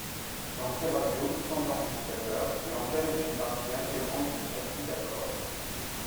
Dans ces radios, sans amplificateur, l'antenne est une partie intégrante du circuit d'accord.